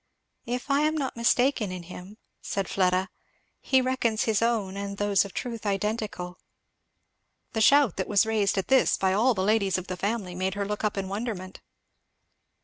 "If I am not mistaken in him," said Fleda, "he reckons his own and those of truth identical." The shout that was raised at this by all the ladies of the family, made her look up in wonderment.